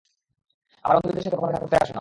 আমার বান্ধবীদের সাথে কখনো দেখা করতে আসো না।